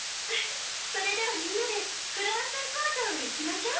それではみんなでクロワッサンこうじょうへいきましょう。